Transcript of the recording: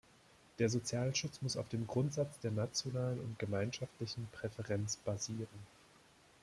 Der Sozialschutz muss auf dem Grundsatz der nationalen und gemeinschaftlichen Präferenz basieren.